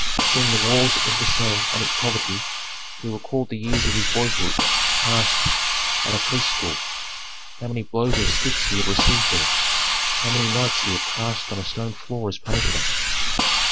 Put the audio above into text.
Seeing the walls of the cell and its poverty, he recalled the years of his boyhood passed at a priests' school. How many blows of sticks he had received there, how many nights he had passed on a stone floor as punishment!